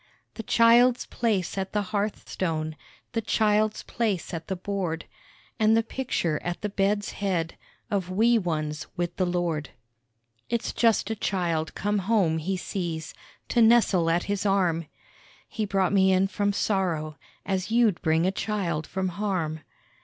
The child's place at the hearth stone, The child's place at the board, And the picture at the bed's head Of wee ones wi' the Lord. It's just a child come home he sees To nestle at his arm; (He brought me in from sorrow As you'd bring a child from harm).